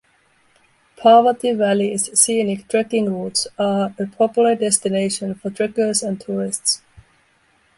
Parvati Valley's scenic trekking routes are a popular destination for trekkers and tourists.